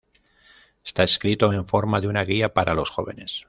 Está escrito en forma de una guía para los jóvenes.